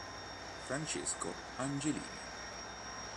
Francesco Angelini